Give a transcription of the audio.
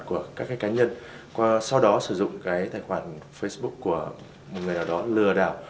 của các cá nhân sau đó sử dụng tài khoản facebook của một người nào đó lừa đảo